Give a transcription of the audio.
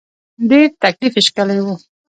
ډېر تکليف یې کشلی و.